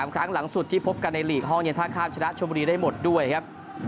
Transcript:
ครั้งหลังสุดที่พบกันในหลีกห้องเย็นท่าข้ามชนะชมบุรีได้หมดด้วยครับ